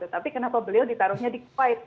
tapi kenapa beliau ditaruhnya di kuwait